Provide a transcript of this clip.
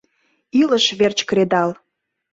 Илыш верч кредал.